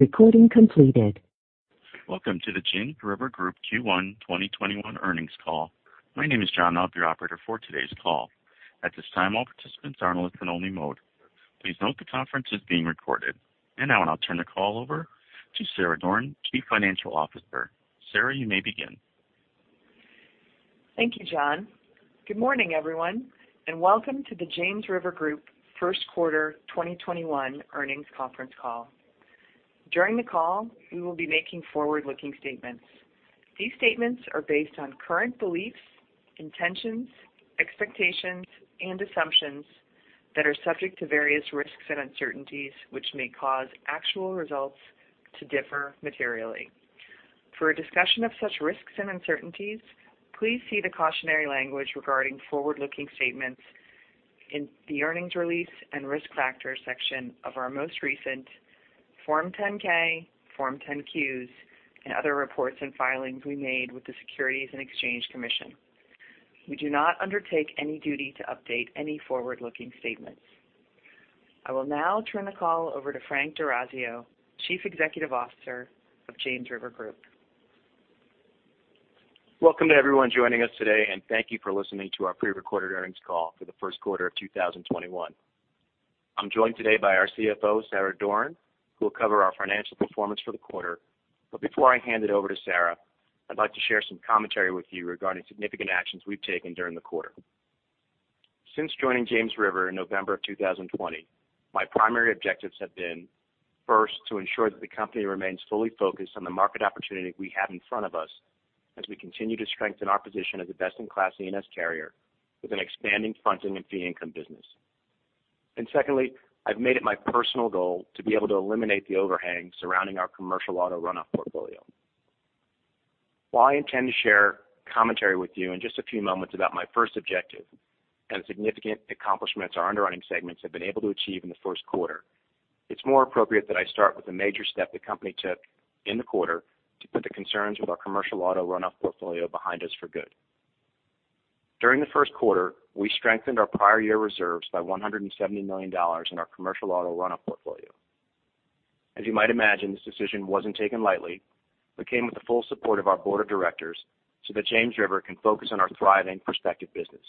Recording completed. Welcome to the James River Group Q1 2021 earnings call. My name is John, I'll be your operator for today's call. At this time, all participants are in listen only mode. Please note the conference is being recorded. Now I'll turn the call over to Sarah Doran, Chief Financial Officer. Sarah, you may begin. Thank you, John. Good morning, everyone, and welcome to the James River Group first quarter 2021 earnings conference call. During the call, we will be making forward-looking statements. These statements are based on current beliefs, intentions, expectations, and assumptions that are subject to various risks and uncertainties, which may cause actual results to differ materially. For a discussion of such risks and uncertainties, please see the cautionary language regarding forward-looking statements in the earnings release and risk factors section of our most recent Form 10-K, Form 10-Qs, and other reports and filings we made with the Securities and Exchange Commission. We do not undertake any duty to update any forward-looking statements. I will now turn the call over to Frank D'Orazio, Chief Executive Officer of James River Group. Welcome to everyone joining us today, and thank you for listening to our pre-recorded earnings call for the first quarter of 2021. I'm joined today by our CFO, Sarah Doran, who will cover our financial performance for the quarter. Before I hand it over to Sarah, I'd like to share some commentary with you regarding significant actions we've taken during the quarter. Since joining James River in November of 2020, my primary objectives have been, first, to ensure that the company remains fully focused on the market opportunity we have in front of us as we continue to strengthen our position as a best-in-class E&S carrier with an expanding funding and fee income business. Secondly, I've made it my personal goal to be able to eliminate the overhang surrounding our commercial auto runoff portfolio. While I intend to share commentary with you in just a few moments about my first objective and the significant accomplishments our underwriting segments have been able to achieve in the first quarter, it's more appropriate that I start with a major step the company took in the quarter to put the concerns with our commercial auto runoff portfolio behind us for good. During the first quarter, we strengthened our prior year reserves by $170 million in our commercial auto runoff portfolio. As you might imagine, this decision wasn't taken lightly, but came with the full support of our board of directors so that James River can focus on our thriving prospective business.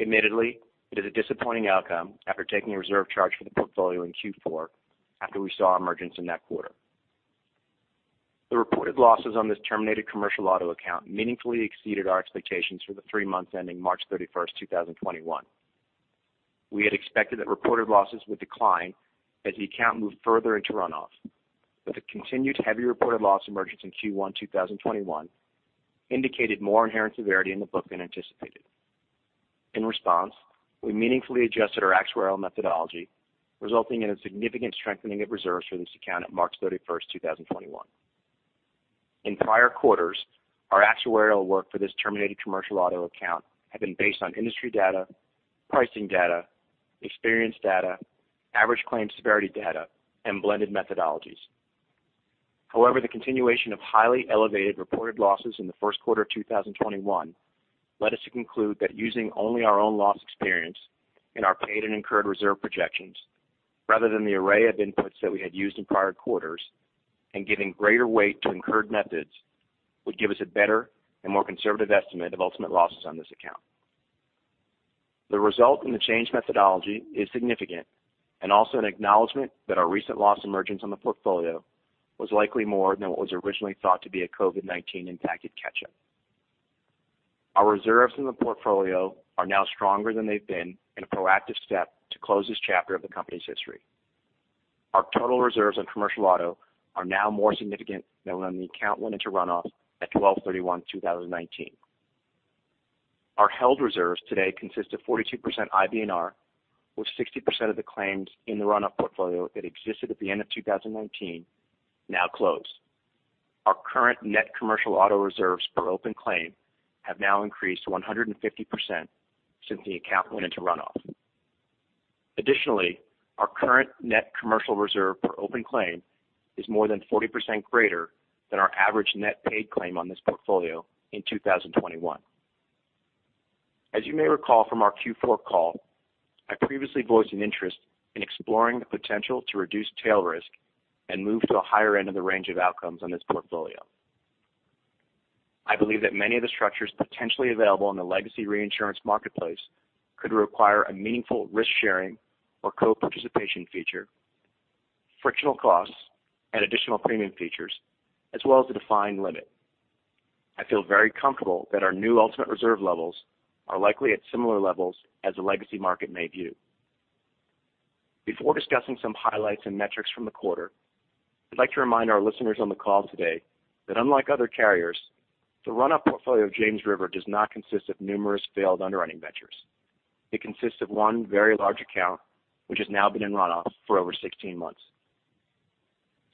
Admittedly, it is a disappointing outcome after taking a reserve charge for the portfolio in Q4 after we saw emergence in that quarter. The reported losses on this terminated commercial auto account meaningfully exceeded our expectations for the three months ending March 31st, 2021. We had expected that reported losses would decline as the account moved further into runoff, but the continued heavy reported loss emergence in Q1 2021 indicated more inherent severity in the book than anticipated. In response, we meaningfully adjusted our actuarial methodology, resulting in a significant strengthening of reserves for this account at March 31st, 2021. In prior quarters, our actuarial work for this terminated commercial auto account had been based on industry data, pricing data, experience data, average claim severity data, and blended methodologies. The continuation of highly elevated reported losses in the first quarter of 2021 led us to conclude that using only our own loss experience in our paid and incurred reserve projections, rather than the array of inputs that we had used in prior quarters, and giving greater weight to incurred methods, would give us a better and more conservative estimate of ultimate losses on this account. The result in the change methodology is significant, also an acknowledgment that our recent loss emergence on the portfolio was likely more than what was originally thought to be a COVID-19 impacted catch-up. Our reserves in the portfolio are now stronger than they've been in a proactive step to close this chapter of the company's history. Our total reserves on commercial auto are now more significant than when the account went into runoff at 12/31/2019. Our held reserves today consist of 42% IBNR, with 60% of the claims in the runoff portfolio that existed at the end of 2019 now closed. Our current net commercial auto reserves per open claim have now increased to 150% since the account went into runoff. Additionally, our current net commercial reserve per open claim is more than 40% greater than our average net paid claim on this portfolio in 2021. As you may recall from our Q4 call, I previously voiced an interest in exploring the potential to reduce tail risk and move to a higher end of the range of outcomes on this portfolio. I believe that many of the structures potentially available in the legacy reinsurance marketplace could require a meaningful risk-sharing or co-participation feature, frictional costs, and additional premium features, as well as a defined limit. I feel very comfortable that our new ultimate reserve levels are likely at similar levels as the legacy market may view. Before discussing some highlights and metrics from the quarter, I'd like to remind our listeners on the call today that unlike other carriers, the runoff portfolio of James River does not consist of numerous failed underwriting ventures. It consists of one very large account, which has now been in runoff for over 16 months.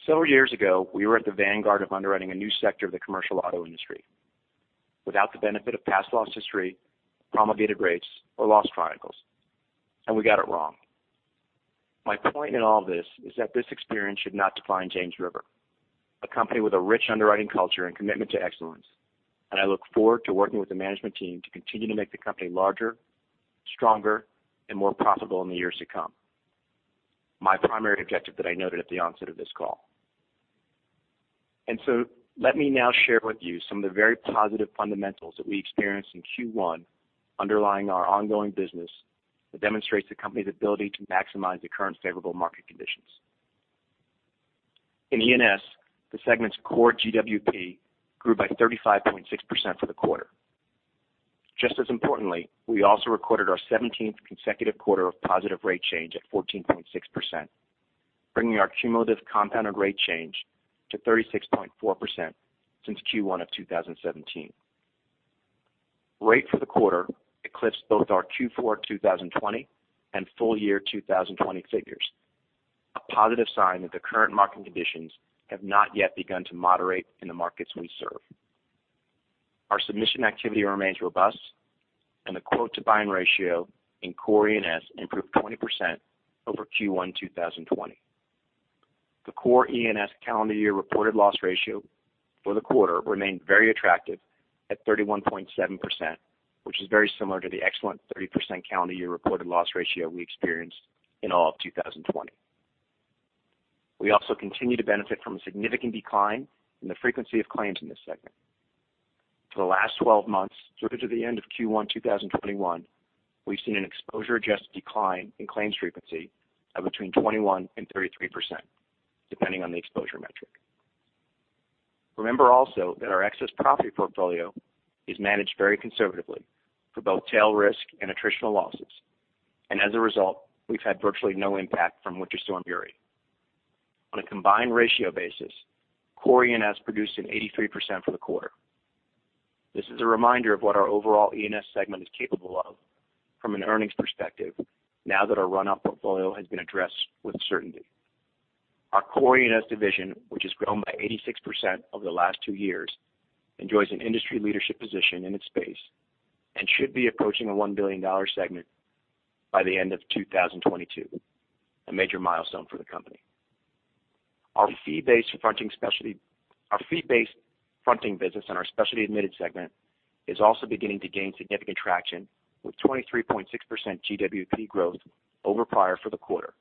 Several years ago, we were at the vanguard of underwriting a new sector of the commercial auto industry without the benefit of past loss history, promulgated rates, or loss chronicles, we got it wrong. My point in all this is that this experience should not define James River. A company with a rich underwriting culture and commitment to excellence. I look forward to working with the management team to continue to make the company larger, stronger, and more profitable in the years to come, my primary objective that I noted at the onset of this call. Let me now share with you some of the very positive fundamentals that we experienced in Q1 underlying our ongoing business that demonstrates the company's ability to maximize the current favorable market conditions. In E&S, the segment's core GWP grew by 35.6% for the quarter. Just as importantly, we also recorded our 17th consecutive quarter of positive rate change at 14.6%, bringing our cumulative compounded rate change to 36.4% since Q1 of 2017. Rate for the quarter eclipsed both our Q4 2020 and full year 2020 figures, a positive sign that the current market conditions have not yet begun to moderate in the markets we serve. Our submission activity remains robust, and the quote-to-buy ratio in core E&S improved 20% over Q1 2020. The core E&S calendar year reported loss ratio for the quarter remained very attractive at 31.7%, which is very similar to the excellent 30% calendar year reported loss ratio we experienced in all of 2020. We also continue to benefit from a significant decline in the frequency of claims in this segment. For the last 12 months through to the end of Q1 2021, we've seen an exposure-adjusted decline in claims frequency of between 21%-33%, depending on the exposure metric. Remember also that our excess property portfolio is managed very conservatively for both tail risk and attritional losses. As a result, we've had virtually no impact from Winter Storm Uri. On a combined ratio basis, core E&S produced an 83% for the quarter. This is a reminder of what our overall E&S segment is capable of from an earnings perspective now that our runoff portfolio has been addressed with certainty. Our core E&S division, which has grown by 86% over the last two years, enjoys an industry leadership position in its space and should be approaching a $1 billion segment by the end of 2022, a major milestone for the company. Our fee-based fronting business in our specialty admitted segment is also beginning to gain significant traction with 23.6% GWP growth over prior for the quarter,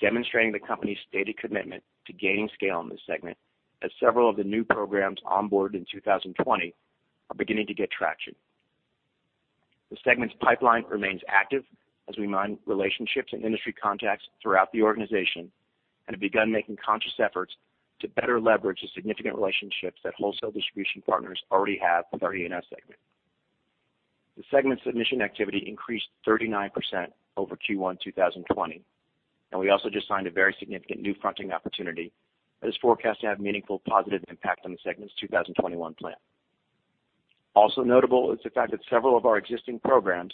demonstrating the company's stated commitment to gaining scale in this segment as several of the new programs onboard in 2020 are beginning to get traction. The segment's pipeline remains active as we mine relationships and industry contacts throughout the organization and have begun making conscious efforts to better leverage the significant relationships that wholesale distribution partners already have with our E&S segment. The segment's submission activity increased 39% over Q1 2020, and we also just signed a very significant new fronting opportunity that is forecast to have a meaningful positive impact on the segment's 2021 plan. Notable is the fact that several of our existing programs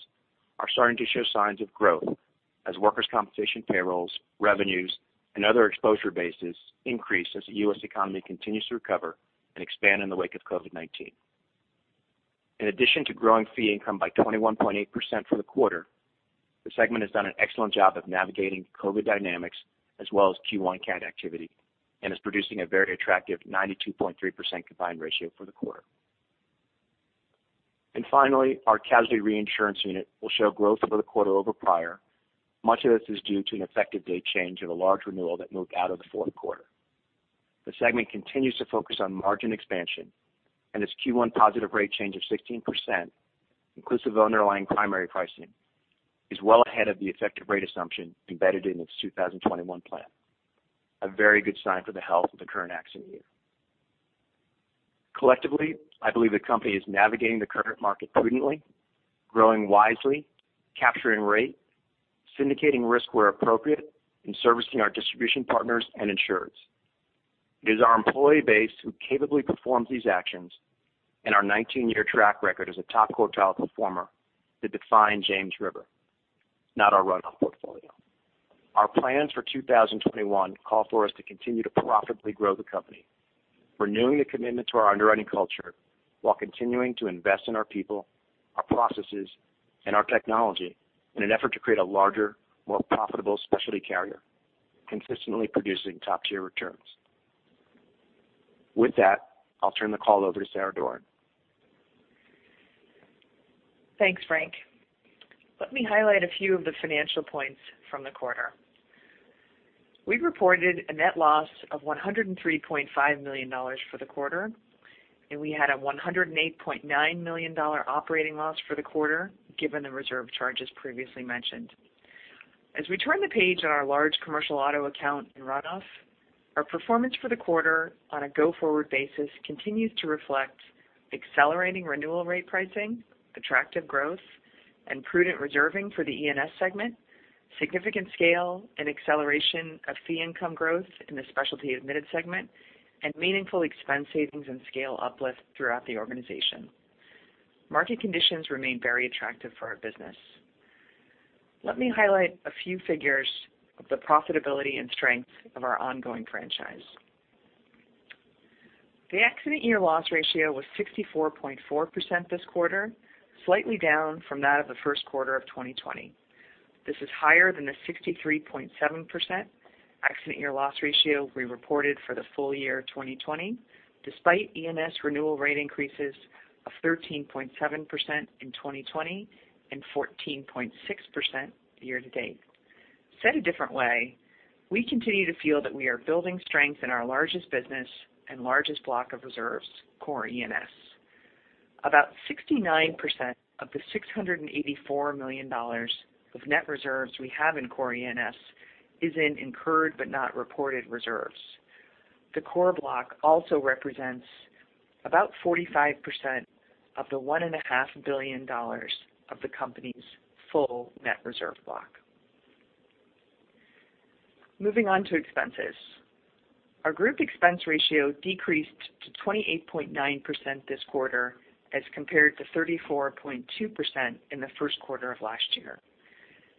are starting to show signs of growth as workers' compensation payrolls, revenues, and other exposure bases increase as the U.S. economy continues to recover and expand in the wake of COVID-19. In addition to growing fee income by 21.8% for the quarter, the segment has done an excellent job of navigating COVID dynamics as well as Q1 cat activity and is producing a very attractive 92.3% combined ratio for the quarter. Finally, our casualty reinsurance unit will show growth for the quarter over prior. Much of this is due to an effective date change of a large renewal that moved out of the fourth quarter. The segment continues to focus on margin expansion, and its Q1 positive rate change of 16%, inclusive of underlying primary pricing, is well ahead of the effective rate assumption embedded in its 2021 plan, a very good sign for the health of the current accident year. Collectively, I believe the company is navigating the current market prudently, growing wisely, capturing rate, syndicating risk where appropriate, and servicing our distribution partners and insureds. It is our employee base who capably performs these actions and our 19-year track record as a top quartile performer that define James River, not our runoff portfolio. Our plans for 2021 call for us to continue to profitably grow the company, renewing the commitment to our underwriting culture while continuing to invest in our people, our processes, and our technology in an effort to create a larger, more profitable specialty carrier, consistently producing top-tier returns. With that, I'll turn the call over to Sarah Doran. Thanks, Frank. Let me highlight a few of the financial points from the quarter. We've reported a net loss of $103.5 million for the quarter, and we had a $108.9 million operating loss for the quarter, given the reserve charges previously mentioned. As we turn the page on our large commercial auto account in runoff, our performance for the quarter on a go-forward basis continues to reflect accelerating renewal rate pricing, attractive growth, and prudent reserving for the E&S segment, significant scale and acceleration of fee income growth in the specialty admitted segment, and meaningful expense savings and scale uplift throughout the organization. Market conditions remain very attractive for our business. Let me highlight a few figures of the profitability and strength of our ongoing franchise. The accident year loss ratio was 64.4% this quarter, slightly down from that of the first quarter of 2020. This is higher than the 63.7% accident year loss ratio we reported for the full year 2020, despite E&S renewal rate increases of 13.7% in 2020 and 14.6% year-to-date. Said a different way, we continue to feel that we are building strength in our largest business and largest block of reserves, core E&S. About 69% of the $684 million of net reserves we have in core E&S is in incurred but not reported reserves. The core block also represents about 45% of the $1.5 billion of the company's full net reserve block. Moving on to expenses. Our group expense ratio decreased to 28.9% this quarter as compared to 34.2% in the first quarter of last year.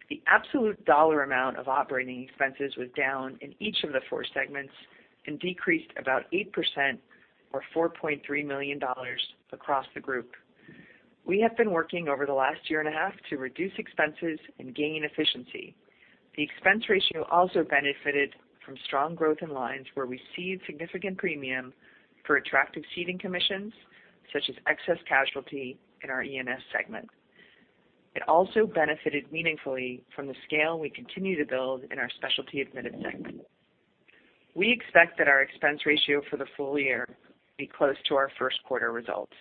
The absolute dollar amount of operating expenses was down in each of the four segments and decreased about 8%, or $4.3 million across the group. We have been working over the last year and a half to reduce expenses and gain efficiency. The expense ratio also benefited from strong growth in lines where we cede significant premium for attractive ceding commissions, such as excess casualty in our E&S segment. It also benefited meaningfully from the scale we continue to build in our specialty admitted segment. We expect that our expense ratio for the full year be close to our first quarter results.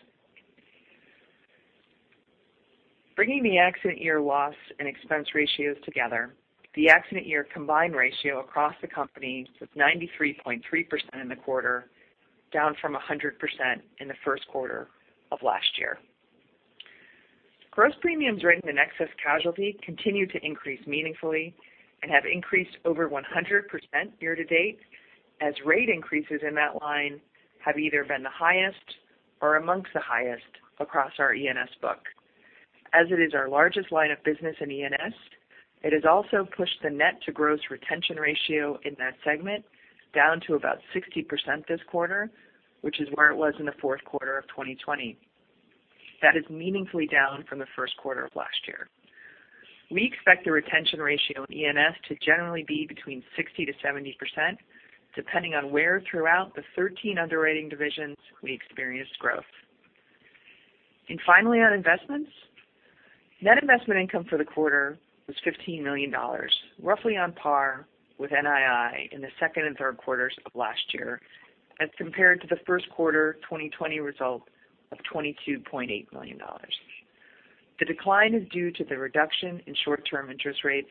Bringing the accident year loss and expense ratios together, the accident year combined ratio across the company was 93.3% in the quarter, down from 100% in the first quarter of last year. Gross premiums written in excess casualty continued to increase meaningfully and have increased over 100% year-to-date, as rate increases in that line have either been the highest or amongst the highest across our E&S book. It is our largest line of business in E&S, it has also pushed the net-to-gross retention ratio in that segment down to about 60% this quarter, which is where it was in the fourth quarter of 2020. That is meaningfully down from the first quarter of last year. We expect the retention ratio in E&S to generally be between 60%-70%, depending on where throughout the 13 underwriting divisions we experience growth. Finally, on investments, net investment income for the quarter was $15 million, roughly on par with NII in the second and third quarters of last year as compared to the first quarter 2020 result of $22.8 million. The decline is due to the reduction in short-term interest rates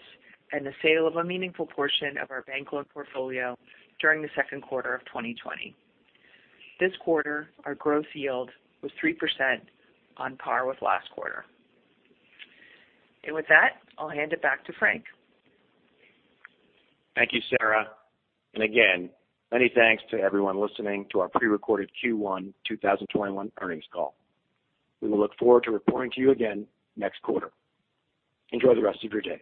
and the sale of a meaningful portion of our bank loan portfolio during the second quarter of 2020. This quarter, our growth yield was 3%, on par with last quarter. With that, I'll hand it back to Frank. Thank you, Sarah. Again, many thanks to everyone listening to our pre-recorded Q1 2021 earnings call. We will look forward to reporting to you again next quarter. Enjoy the rest of your day